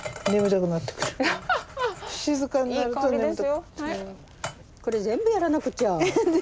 アハッ全部やらなくちゃ。